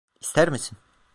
İster misin?